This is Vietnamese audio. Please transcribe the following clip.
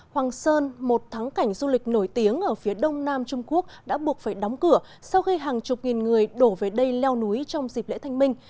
hoàng sơn một tháng cảnh du lịch nổi tiếng ở phía đông nam trung quốc đã buộc phải đóng cửa sau khi hàng chục nghìn người đổ về đây leo núi trong dịp lễ thanh minh